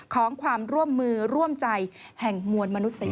ของความร่วมมือร่วมใจแห่งมวลมนุษย